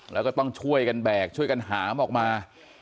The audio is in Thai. แล้วก็ต้องช่วยกันแบกช่วยกันหามออกมา